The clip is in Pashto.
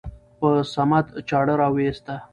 په صمد چاړه راوېسته.